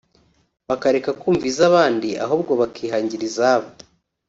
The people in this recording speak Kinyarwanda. bakareka kumva iz’abandi ahubwo bakihangira izabo